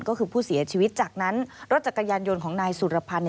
ก็คือผู้เสียชีวิตจากนั้นรถจักรยานยนต์ของนายสุรพันธ์